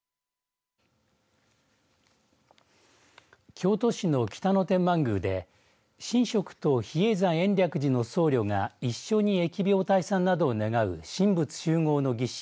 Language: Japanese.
京都市の北野天満宮で神職と比叡山延暦寺の僧侶が一緒に疫病退散などを願う神仏習合の儀式